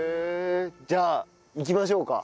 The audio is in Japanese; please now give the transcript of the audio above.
じゃあいきましょうか。